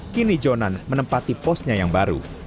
kini jonan menempati posnya yang baru